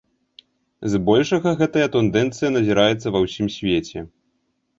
Збольшага гэтая тэндэнцыя назіраецца ва ўсім свеце.